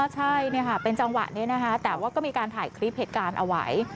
ใช่เป็นจังหวะนี้นะคะแต่ว่าก็มีการถ่ายคลิปเหตุการณ์เอาไว้